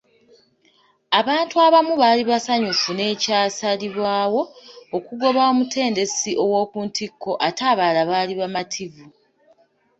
Abantu abamu baali basanyufu n'ekyasalibwawo okugoba omutendesi owokuntikko ate abalala baali bamativu.